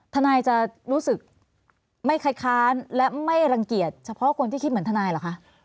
ทนายจะรู้สึกไม่คล้ายค้านและไม่รังเกียจเฉพาะคนที่คิดเหมือนทนายเหรอคะ